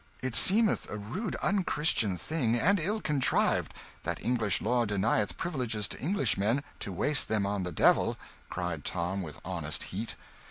"It seemeth a rude unchristian thing, and ill contrived, that English law denieth privileges to Englishmen to waste them on the devil!" cried Tom, with honest heat.